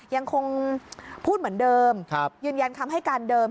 ยังคงพูดเหมือนเดิมยืนยันคำให้การเดิม